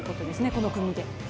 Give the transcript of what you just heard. この組で。